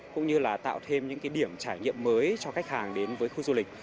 cũng như là tạo thêm những điểm trải nghiệm mới cho khách hàng đến với khu du lịch